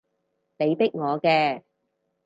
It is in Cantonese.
你逼我嘅